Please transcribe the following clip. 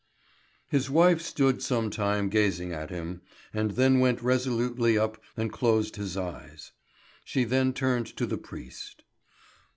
His wife stood some time gazing at him, and then went resolutely up and closed his eyes. She then turned to the priest.